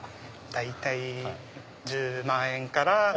大体１０万円から。